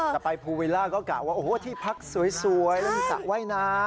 แต่ไปภูวิลล่าก็กล่าวว่าโอ้โหที่พักสวยแล้วมีสระว่ายน้ำ